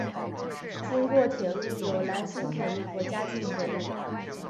经过铁路有兰新铁路和嘉镜铁路。